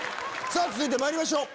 続いてまいりましょう。